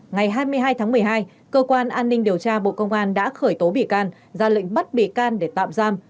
ngày hai mươi hai tháng một mươi hai cơ quan an ninh điều tra bộ công an đã khởi tố bị can ra lệnh bắt bị can để tạm giam